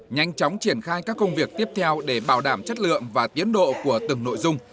nhanh chóng triển khai các công việc tiếp theo để bảo đảm chất lượng và tiến độ của từng nội dung